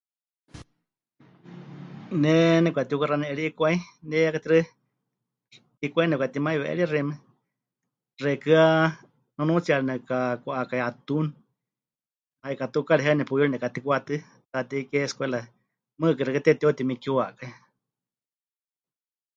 Ne nepɨkatiukaxani'erie 'ikwai, ne ya katixaɨ 'ikwai nepɨkatimaiwe'erie xeíme, xeikɨ́a nunuutsiyari nepɨkakwa'akai 'atún, haikatukaari heiwa nepuyuri nekatikwatɨ́, Taatei Kie escuela mɨɨkɨkɨ xeikɨ́a tepɨte'utimikiwakai.